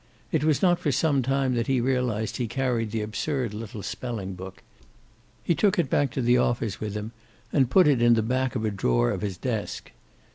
It was not for some time that he realized he carried the absurd little spelling book. He took it back to the office with him, and put it in the back of a drawer of his desk.